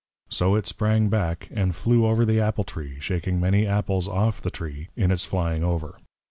_ So it sprang back, and flew over the Apple tree; shaking many Apples off the Tree, in its flying over.